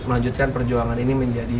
melanjutkan perjuangan ini menjadi